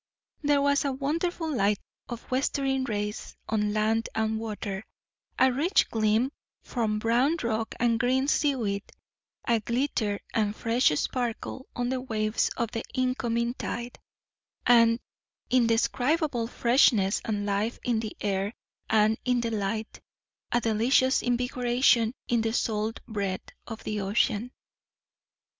There was a wonderful light of westering rays on land and water; a rich gleam from brown rock and green seaweed; a glitter and fresh sparkle on the waves of the incoming tide; an indescribable freshness and life in the air and in the light; a delicious invigoration in the salt breath of the ocean.